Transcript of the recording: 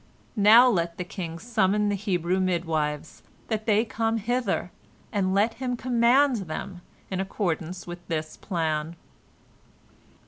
Now let the king summon the Hebrew midwives, that they come hither, and let him command them in accordance with this plan."